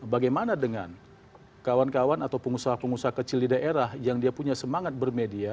bagaimana dengan kawan kawan atau pengusaha pengusaha kecil di daerah yang dia punya semangat bermedia